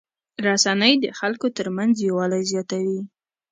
رسنۍ د خلکو ترمنځ یووالی زیاتوي.